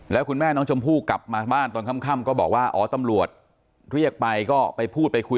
แล้วคุณแม่น้องชมพู่กลับมาบ้านตอนค่ำก็บอกว่าอ๋อตำรวจเรียกไปก็ไปพูดไปคุย